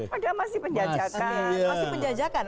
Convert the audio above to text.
padahal masih penjajakan